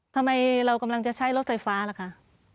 ทำไมเรากำลังจะใช้รถไฟฟ้าล่ะคะ